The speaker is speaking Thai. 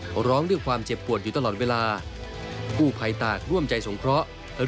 เขาร้องด้วยความเจ็บปวดอยู่ตลอดเวลากู้ภัยตากร่วมใจสงเคราะห์